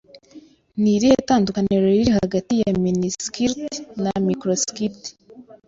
Ni irihe tandukaniro riri hagati ya miniskirt na microskirt?